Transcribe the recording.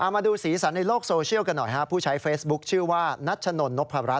มาดูศีลสันในโลกโซเชียลกันหน่อย